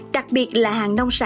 đặc biệt là hàng nông sản